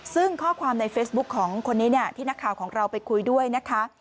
ซึ่งข้อความในเฟซบุ๊คของคนนี้เนี่ยที่นักข่าวของเราไปคุยด้วยนะคะ